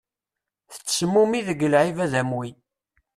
Tettesmumi deg lɛibad am wi.